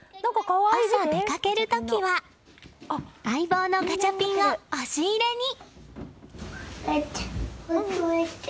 朝、出かける時は相棒のガチャピンを押し入れに。